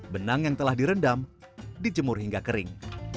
benang yang telah direndam dijemur hingga kering